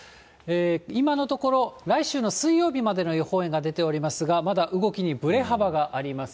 今のところ、来週の水曜日までの予報円が出ておりますが、まだ動きにぶれ幅があります。